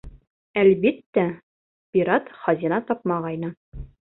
Әлбиттә, пират хазина тапмағайны.